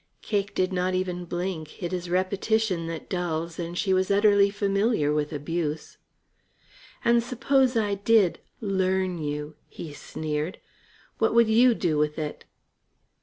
Cake did not even blink. It is repetition that dulls, and she was utterly familiar with abuse. "And suppose I did 'learn' you," he sneered, "what would you do with it?"